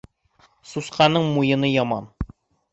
Сусҡаның муйыны яман.